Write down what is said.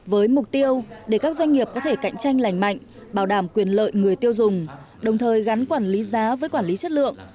với mục tiêu để các doanh nghiệp có thể cạnh tranh lành mạnh bảo đảm quyền lợi người tiêu dùng đồng thời gắn quản lý giá với quản lý chất lượng